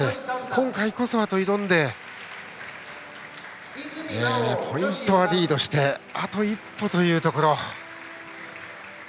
今回こそはと挑んでポイントはリードしてあと一歩というところ。